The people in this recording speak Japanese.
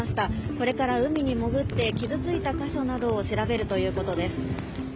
これから海に潜って、傷ついた箇所などを調べるということです。